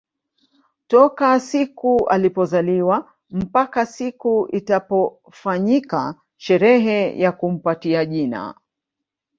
Toka siku alipozaliwa mpaka siku itakapofanyika sherehe ya kumpatia jina